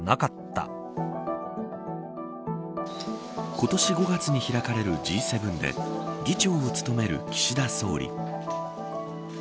今年５月に開かれるＧ７で議長を務める岸田総理。